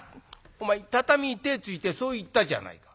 お前畳に手ぇついてそう言ったじゃないか。